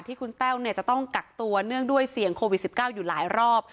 ที่คุณแต้วจะต้องกักตัวเนื่องด้วยเสี่ยงโควิด๑๙อยู่หลายรอบ